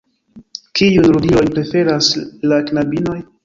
Kiujn ludilojn preferas la knabinoj?